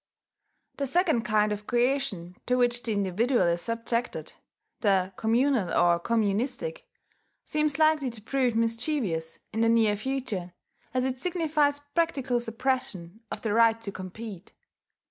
The second kind of coercion to which the individual is subjected the communal, or communistic seems likely to prove mischievous in the near future, as it signifies practical suppression of the right to compete....